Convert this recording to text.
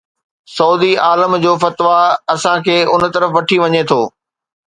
سعودي عالم جو فتويٰ اسان کي ان طرف وٺي وڃي ٿو.